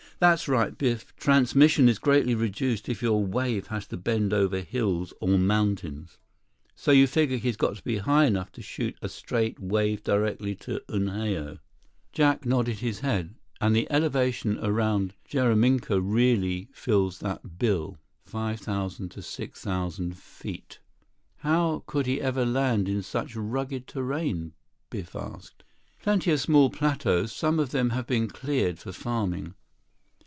"That's right, Biff. Transmission is greatly reduced if your wave has to bend over hills or mountains." "So you figure he's got to be high enough to shoot a straight wave directly to Unhao." 63 Jack nodded his head. "And the elevation around Jaraminka really fills that bill—5,000 to 6,000 feet." "How could he ever land in such rugged terrain?" Biff asked. "Plenty of small plateaus. Some of them have been cleared for farming."